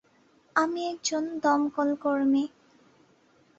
আমি একজন দমকলকর্মী।